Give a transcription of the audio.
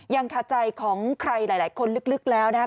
ยังขาดใจของใครหลายคนลึกแล้วนะครับ